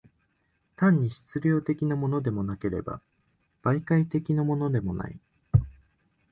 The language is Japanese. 単に質料的のものでもなければ、媒介的のものでもない。